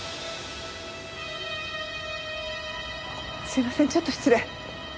すいませんちょっと失礼。